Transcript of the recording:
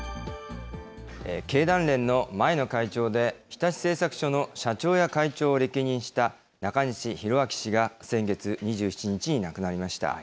経団連の前の会長で、日立製作所の社長や会長を歴任した中西宏明氏が先月２７日に亡くなりました。